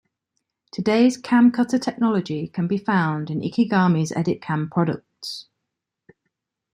Today's CamCutter technology can be found in Ikegami's Editcam products.